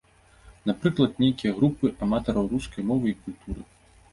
Напрыклад, нейкія групы аматараў рускай мовы і культуры.